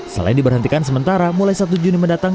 selain diberhentikan sementara mulai satu juni mendatang